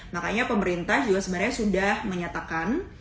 makanya pemerintah juga sebenarnya sudah menyatakan